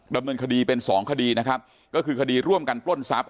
ดำเนินคดีเป็นสองคดีนะครับก็คือคดีร่วมกันปล้นทรัพย